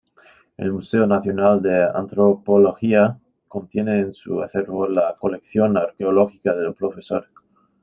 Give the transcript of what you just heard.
El Museo Nacional de Antropología, contiene en su acervo la colección arqueológica del Prof.